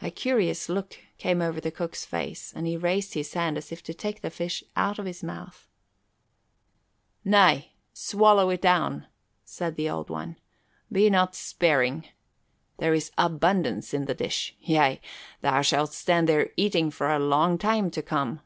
A curious look came over the cook's face and he raised his hand as if to take the fish out of his mouth. "Nay, swallow it down," said the Old One. "Be not sparing. There is abundance in the dish. Yea, thou shalt stand there eating for a long time to come."